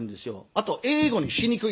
あと英語にしにくいんです。